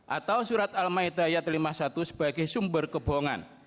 atau surat al ma'idah lima puluh satu sebagai sumber kebohongan